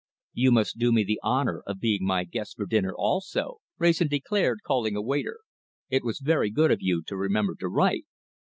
"You must do me the honour of being my guests for dinner also," Wrayson declared, calling a waiter. "It was very good of you to remember to write."